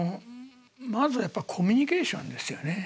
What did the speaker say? まずはやっぱコミュニケーションですよね。